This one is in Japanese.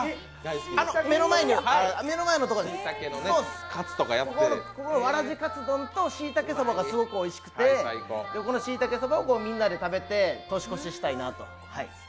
目の前のところにある、ここのわらじかつ丼としいたけそばがすごくおいしくて、このしいたけそばをみんなで食べて年越ししたいなと。